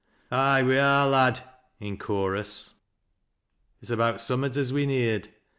" Ay, we are, lad," in chorus. " It's about Bummat as we'n heerd.